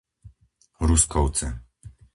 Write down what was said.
Ruskovce